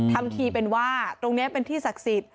ทำทีเป็นว่าตรงนี้เป็นที่ศักดิ์สิทธิ